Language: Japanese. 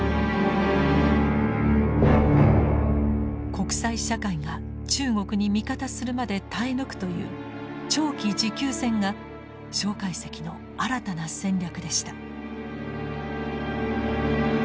国際社会が中国に味方するまで耐え抜くという長期持久戦が介石の新たな戦略でした。